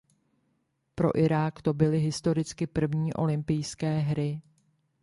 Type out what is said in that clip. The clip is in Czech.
Pro Irák to byli historicky první olympijské hry.